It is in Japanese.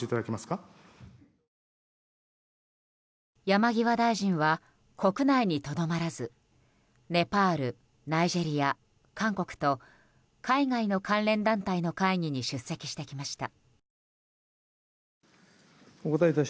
山際大臣は国内にとどまらずネパール、ナイジェリア、韓国と海外の関連団体の会議に出席してきました。